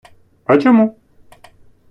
А чому?